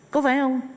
có phải không